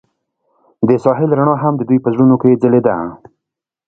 د ساحل رڼا هم د دوی په زړونو کې ځلېده.